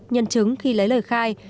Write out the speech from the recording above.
nhân chứng khi lấy lời khai